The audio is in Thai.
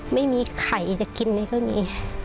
ไม่มีไข่อย่างกินในที่นี่